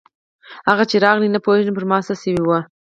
هغه چې راغله نه پوهېږم پر ما څه سوي وو.